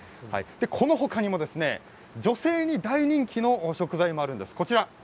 この他にも女性に大人気の食材もあるんです、こちらです。